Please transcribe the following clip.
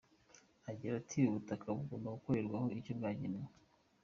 Agira ati” Ubutaka bugomba gukorerwaho icyo bwagenewe.